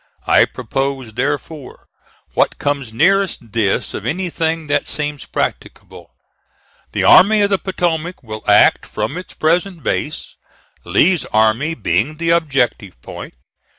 I propose, therefore, what comes nearest this of anything that seems practicable: The Army of the Potomac will act from its present base, Lee's army being the objective point.